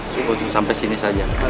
susu sampai sini saja